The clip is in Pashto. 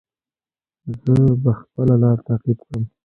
زه به خپله لاره تعقیب کړم.